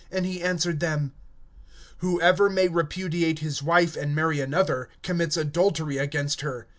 (11)And he says to them: Whoever shall put away his wife, and marry another, commits adultery against her.